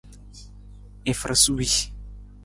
I far suwii.